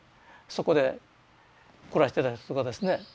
そこで暮らしてた人とかですね。